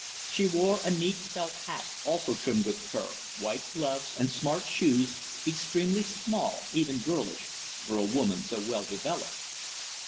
She wore a neat felt hat also trimmed with fur, white gloves, and smart shoes, extremely small, even girlish, for a woman so well developed.